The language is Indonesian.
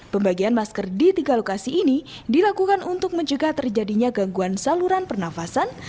pembagian masker di tiga lokasi ini dilakukan untuk mencegah terjadinya gangguan saluran pernafasan